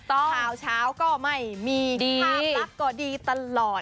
ข่าวเช้าก็ไม่มีภาพลักษณ์ก็ดีตลอด